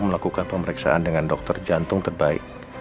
melakukan pemeriksaan dengan dokter jantung terbaik